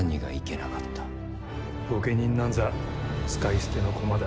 御家人なんざ使い捨ての駒だ。